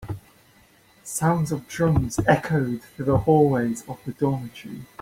Sounds of drums echoed through the hallways of the dormitory.